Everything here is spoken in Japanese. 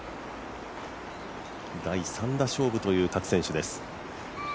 第３打勝負となる各選手です。